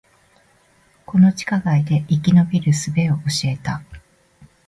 この地下街で生き延びる術を教えた